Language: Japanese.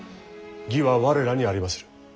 義は我らにありまする。